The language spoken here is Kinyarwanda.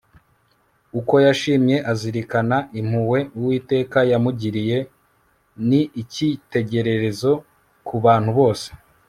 uko yashimye azirikana impuhwe uwiteka yamugiriye ni icyitegererezo ku bantu bose